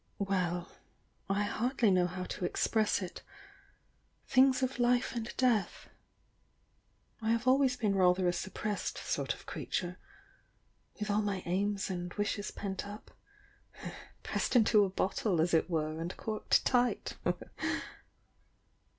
"Well, — I hardly know how to express it — things of life and death. I have always been rather a suppressed sort of creature — with all ray aims and wishes pent up, — pressed into a bottle, as it were, and corked tight!"